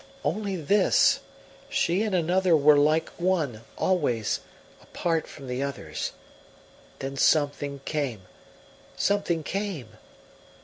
Only this, she and another were like one, always, apart from the others. Then something came something came!